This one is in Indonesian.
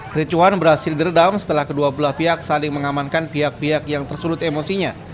kericuhan berhasil diredam setelah kedua belah pihak saling mengamankan pihak pihak yang tersulut emosinya